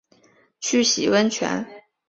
去洗温泉